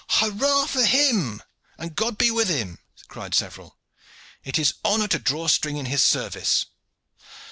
"Hurrah for him, and God be with him!" cried several. "It is honor to draw string in his service."